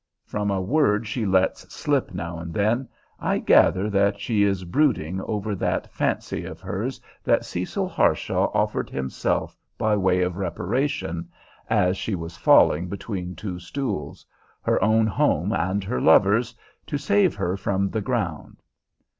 From a word she lets slip now and then, I gather that she is brooding over that fancy of hers that Cecil Harshaw offered himself by way of reparation, as she was falling between two stools, her own home and her lover's, to save her from the ground.